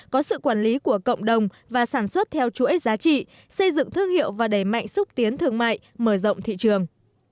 có sự quản lý của cộng đồng và sản xuất theo chuỗi giá trị xây dựng thương hiệu và đẩy mạnh xúc tiến thương mại mở rộng thị trường